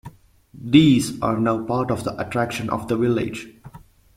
These are now part of the attraction of the village.